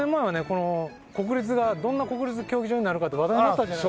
この国立がどんな国立競技場になるかって話題になったじゃないですか。